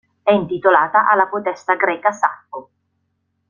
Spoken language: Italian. È intitolata alla poetessa greca Saffo.